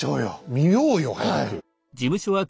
見ようよ早く。